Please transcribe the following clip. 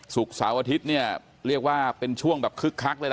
เสาร์อาทิตย์เนี่ยเรียกว่าเป็นช่วงแบบคึกคักเลยล่ะ